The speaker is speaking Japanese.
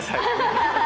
アハハハ。